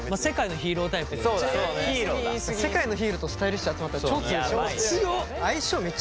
世界のヒーローとスタイリッシュ集まったら超強い。